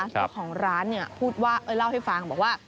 เจ้าของร้านเนี่ยพูดว่าเออเล่าให้ฟังบอกว่า